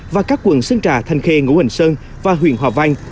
và các quận sơn trà thanh khê ngũ hành sơn và huyện hòa vang